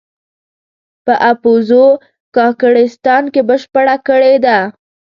په اپوزو کاکړستان کې بشپړه کړې ده.